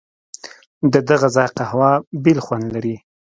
ددغه ځای قهوه بېل خوند لري.